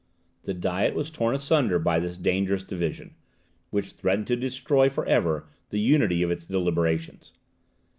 The Diet was torn asunder by this dangerous division, which threatened to destroy for ever the unity of its deliberations.